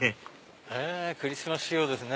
へぇクリスマス仕様ですね